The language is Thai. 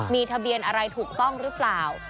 มีทะเบียนอะไรถูกต้องหรือเปล่า